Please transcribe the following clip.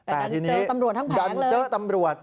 แต่ทีนี้ดันเจอตำรวจทั้งแผนเลย